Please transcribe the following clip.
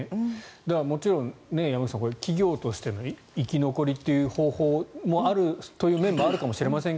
もちろん、山口さん企業としての生き残りっていう方法もあるという面もあるかもしれませんが